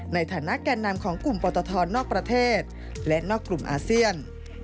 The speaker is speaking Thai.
ในฐานะแก่นำของกลุ่มปตทนอกประเทศและนอกกลุ่มอาเซียน